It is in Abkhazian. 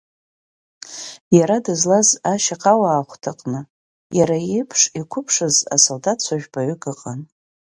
Иара дызлаз ашьаҟауаахәҭа аҟны иара иеиԥш иқәыԥшыз асолдаҭцәа жәпаҩӡак ыҟан.